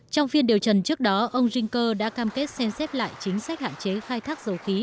trong phiên điều trần trước đó ông jing cơ đã cam kết xem xét lại chính sách hạn chế khai thác dầu khí